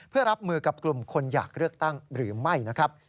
เพื่อรับมือกับกลุ่มคนอยากเลือกตั้งหรือไม่นะครับ